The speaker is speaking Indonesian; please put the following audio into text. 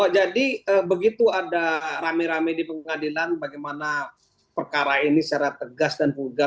jadi begitu ada rame rame di pengadilan bagaimana perkara ini secara tegas dan vulgar